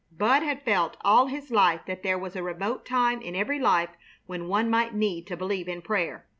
Bud had felt all his life that there was a remote time in every life when one might need to believe in prayer.